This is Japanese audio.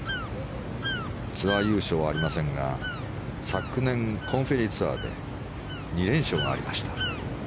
ツアー優勝はありませんが昨年、コーン・フェリーツアーで２連勝がありました。